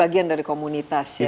bagian dari komunitas ya